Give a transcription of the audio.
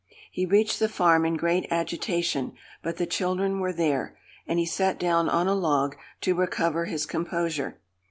He reached the farm in great agitation, but the children were there, and he sat down on a log to recover his composure.